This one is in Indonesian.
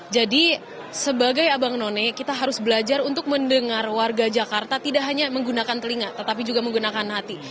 jadi sebagai abang none kita harus belajar untuk mendengar warga jakarta tidak hanya menggunakan telinga tetapi juga menggunakan hati